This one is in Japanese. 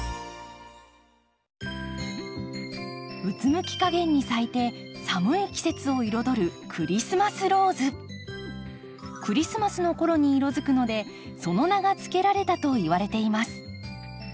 うつむきかげんに咲いて寒い季節を彩るクリスマスの頃に色づくのでその名が付けられたといわれています。